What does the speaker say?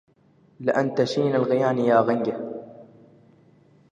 لأنت شين القيان يا غنجه